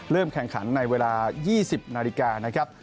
เริ่มแข่งขันในเวลา๒๐นนะครับ